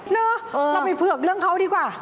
น่ะเราไปพูดกับเรื่องเขาดีกว่า